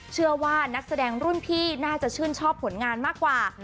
เชื่อว่านักแสดงรุ่นพี่น่าจะชื่นชอบผลงานมากกว่า